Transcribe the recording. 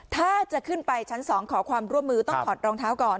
ถ้าจะขึ้นไปชั้น๒ขอความร่วมมือต้องถอดรองเท้าก่อน